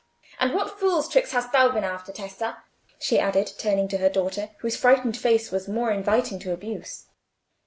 And what fool's tricks hast thou been after, Tessa?" she added, turning to her daughter, whose frightened face was more inviting to abuse.